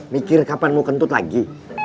mikir kapan mau kentut lagi